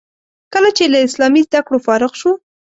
کله چې له اسلامي زده کړو فارغ شو.